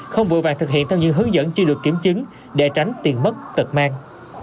không vội vàng thực hiện theo những hướng dẫn chưa được kiểm chứng để tránh tiền mất tật mang